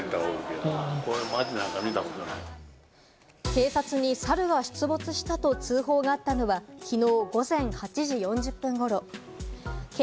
警察にサルが出没したと通報があったのは、きのう午前８時４０分ごろ。